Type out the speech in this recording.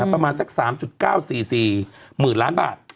ประมาณสัก๓๙๔๔๐๐๐ล้านบาท